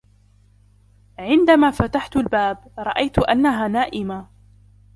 عندما فتحت الباب ، رأيت أنها نائمة.